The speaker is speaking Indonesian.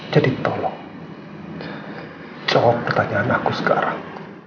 jadi tolong jawab pertanyaan aku sekarang